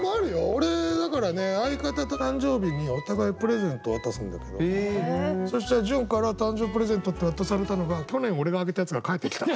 俺だからね相方と誕生日にお互いプレゼントを渡すんだけどそしたら潤から誕生日プレゼントって渡されたのが去年俺があげたやつが返ってきた。